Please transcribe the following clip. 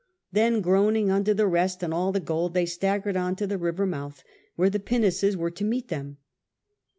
Then groaning under the rest and all the gold, they staggered on to the river mouth, where the pinnaces were to meet them.